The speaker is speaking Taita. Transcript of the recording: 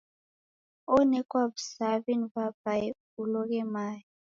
Onekwa w'usaw'i ni w'aw'ae uloghe mae.